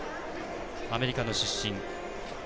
アメリカの出身。